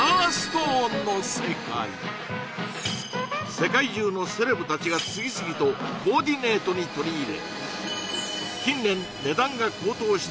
世界中のセレブたちが次々とコーディネートに取り入れ